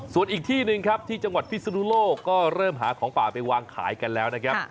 ส่วนอีกที่หนึ่งครับที่จังหวัดพิศนุโลกก็เริ่มหาของป่าไปวางขายกันแล้วนะครับ